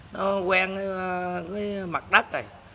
nó quen với mặt đất rồi